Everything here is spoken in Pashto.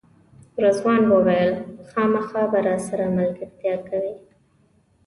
رضوان وویل خامخا به راسره ملګرتیا کوئ.